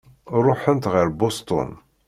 Ṛuḥent ɣer Boston.